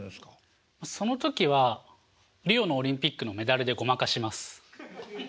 その時はリオのオリンピックのメダルでごまかします。